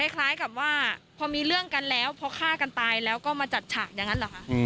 คล้ายกับว่าพอมีเรื่องกันแล้วพอฆ่ากันตายแล้วก็มาจัดฉากอย่างนั้นเหรอคะ